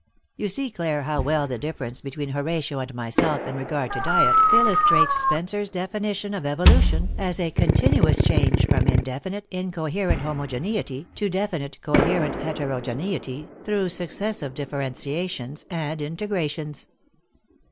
You see, Clare, how well the difference between Horatio and myself in regard to diet illustrates Spencer's definition of evolution as a continuous change from indefinite, incoherent homogeneity to definite, coherent heterogeneity through successive differentiations and integrations.